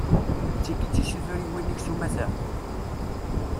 D tigi i d tisutriwin-ik s umata?